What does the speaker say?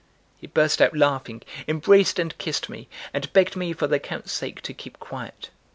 He burst out laughing, embraced and kissed me, and begged me for the Count's sake to keep quiet.